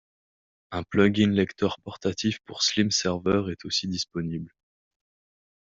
Un plugin lecteur portatif pour SlimServer est aussi disponible.